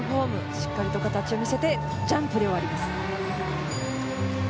しっかりと形を見せてジャンプで終わります。